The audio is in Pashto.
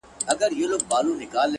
د زړه پاکوالی د فکر رڼا زیاتوي